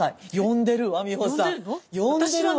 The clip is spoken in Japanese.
呼んでるの？